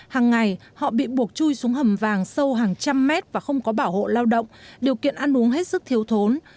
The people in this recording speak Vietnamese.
hàng ngày họ bị buộc chui xuống hầm vàng sâu hàng trăm mét và không có bảo hộ lao động điều kiện ăn uống hết sức thiếu thốn